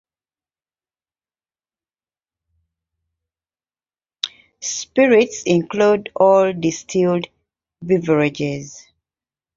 spirits include all distilled beverages